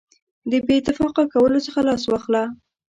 د بې اتفاقه کولو څخه لاس واخله.